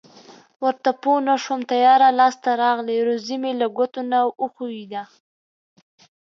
ورته پوه نشوم تیاره لاس ته راغلې روزي مې له ګوتو نه و ښویېده.